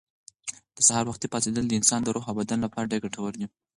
د سهار وختي پاڅېدل د انسان د روح او بدن لپاره ډېر ګټور دي.